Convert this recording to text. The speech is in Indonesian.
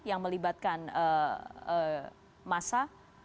yang melibatkan masa